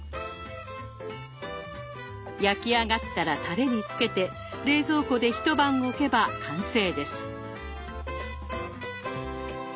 焼き上がったらタレに漬けて冷蔵庫で一晩おけば完成です。